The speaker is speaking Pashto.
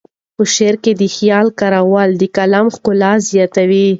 په شعر کې د خیال کارول د کلام ښکلا زیاتوي.